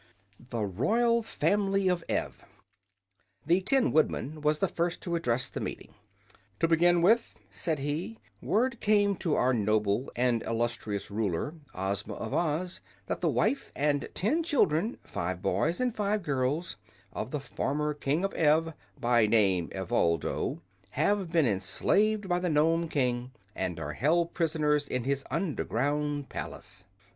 The Royal Family of Ev The Tin Woodman was the first to address the meeting. "To begin with," said he, "word came to our noble and illustrious Ruler, Ozma of Oz, that the wife and ten children five boys and five girls of the former King of Ev, by name Evoldo, have been enslaved by the Nome King and are held prisoners in his underground palace.